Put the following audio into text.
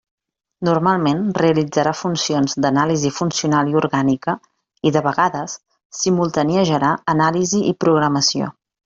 Normalment realitzarà funcions d'anàlisi funcional i orgànica i, de vegades, simultaniejarà anàlisi i programació.